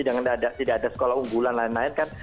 dan tidak ada sekolah unggulan lain lain kan